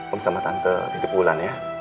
om sama tanda titip wulan ya